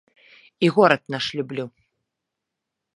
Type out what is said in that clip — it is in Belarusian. І горад наш люблю.